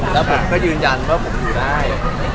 แล้วผมก็ยืนยันว่าผมอยู่ได้